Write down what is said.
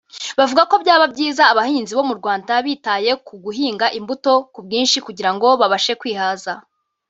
bavuga ko byaba byiza abahinzi bo mu Rwanda bitaye ku guhinga imbuto ku bwinshi kugira ngo babashe kwihaza